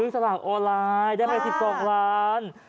สลากออนไลน์ได้ไหม๑๒ล้าน